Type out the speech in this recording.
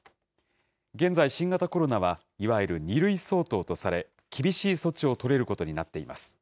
現在、新型コロナはいわゆる２類相当とされ、厳しい措置を取れることになっています。